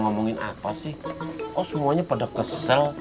ngomongin apa sih kok semuanya pada kesel